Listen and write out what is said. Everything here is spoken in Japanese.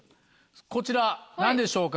こちら何でしょうか？